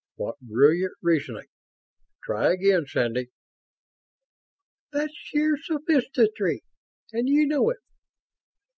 "What brilliant reasoning! Try again, Sandy." "That's sheer sophistry, and you know it!"